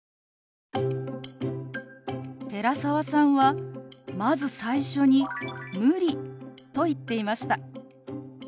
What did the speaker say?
寺澤さんはまず最初に「無理」と言っていました。